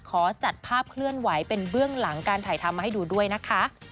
ขอจัดภาพเคลื่อนไหวเป็นเบื้องหลังการถ่ายทำมาให้ดูด้วยนะคะ